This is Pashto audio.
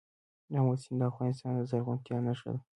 آمو سیند د افغانستان د زرغونتیا نښه ده.